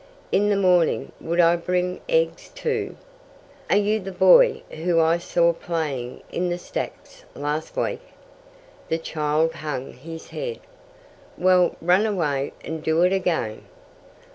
"In the morning would I bring eggs, too?" "Are you the boy whom I saw playing in the stacks last week?" The child hung his head. "Well, run away and do it again."